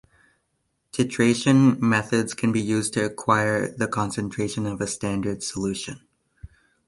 Titration methods can be used to acquire the concentration of a standard solution.